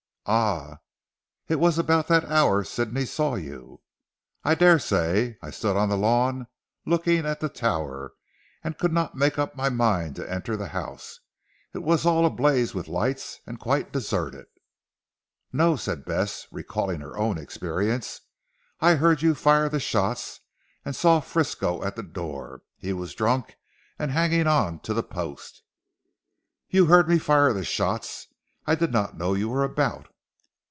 "Ah! it was about that hour Sidney saw you." "I daresay. I stood on the lawn looking at the tower, and could not make up my mind to enter the house. It was all ablaze with lights, and quite deserted." "No," said Bess recalling her own experience. "I heard you fire the shots and saw Frisco at the door. He was drunk and hanging on to the post." "You heard me fire the shots. I did not know you were about?"